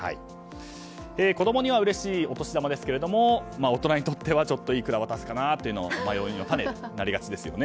子供にはうれしいお年玉ですが大人にとってはいくら渡すかなというのは悩みの種になりがちですよね。